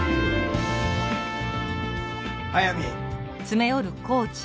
速水！